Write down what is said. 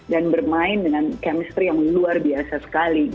bermain dengan chemistry yang luar biasa sekali